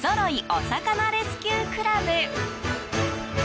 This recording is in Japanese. お魚レスキューくらぶ。